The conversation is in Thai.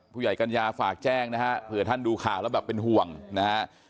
กัญญาฝากแจ้งนะฮะเผื่อท่านดูข่าวแล้วแบบเป็นห่วงนะฮะ